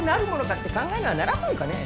って考えにはならんもんかね。